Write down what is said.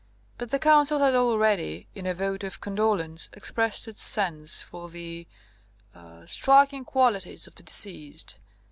But the Council has already, in a vote of condolence, expressed its sense of the er striking qualities of the deceased.